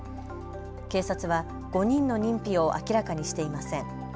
警察は５人の認否を明らかにしていません。